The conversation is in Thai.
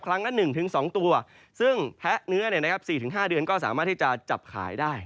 ครั้งละ๑๒ตัวซึ่งแพะเนื้อ๔๕เดือนก็สามารถที่จะจับขายได้